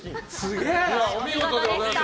お見事でございます。